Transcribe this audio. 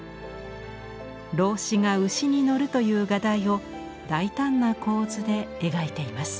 老子が牛に乗るという画題を大胆な構図で描いています。